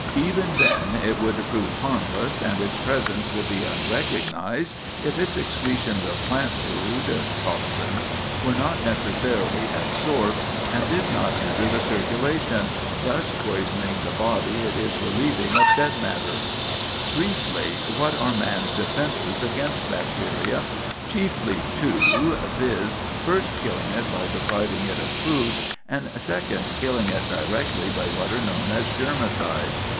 Even then it would prove harmless and its presence would be unrecognized if its excretions of plant food (toxins) were not necessarily absorbed and did not enter the circulation, thus poisoning the body it is relieving of dead matter. [Sidenote: Man's Defenses] Briefly, what are man's defenses against bacteria? Chiefly two, viz., first, killing it by depriving it of food; and, second, killing it directly by what are known as germicides.